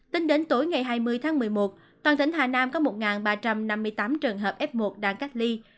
tính đến tối hai mươi một mươi một toàn tỉnh hà nam có một ba trăm năm mươi tám trường hợp f một đang cắt điện